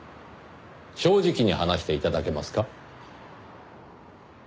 正直に話して頂けますか？